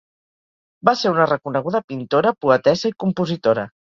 Va ser una reconeguda pintora, poetessa i compositora.